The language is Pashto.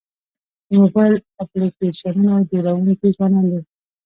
د موبایل اپلیکیشنونو جوړونکي ځوانان دي.